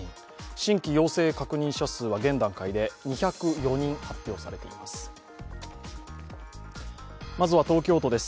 新規陽性確認者数は現段階で２０４人、発表されています。